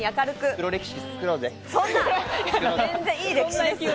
黒歴史、作ろうぜ。